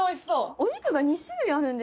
お肉が２種類あるんですけど。